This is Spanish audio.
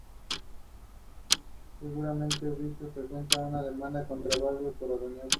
Su obra tiene como modelo al Padre Galo, al que conoció de niña.